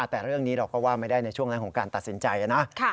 แต่เรื่องนี้เราก็ว่าไม่ได้ในช่วงนั้นของการตัดสินใจนะ